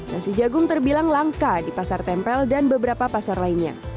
nasi jagung terbilang langka di pasar tempel dan beberapa pasar lainnya